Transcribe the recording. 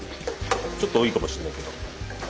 ちょっと多いかもしれないけど。